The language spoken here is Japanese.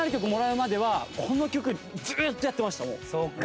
そっか。